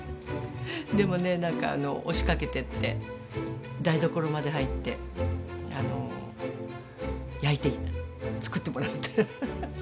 でもねなんか押しかけてって台所まで入ってつくってもらうってアハハハ。